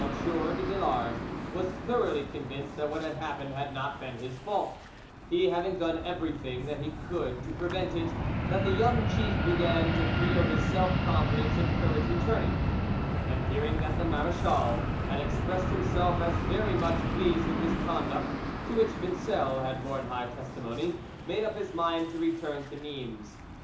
de Villars was thoroughly convinced that what had happened had not been his fault, he having done everything that he could to prevent it, that the young chief began to feel his self confidence and courage returning, and hearing that the marachal had expressed himself as very much pleased with his conduct, to which Vincel had borne high testimony, made up his mind to return to Nimes.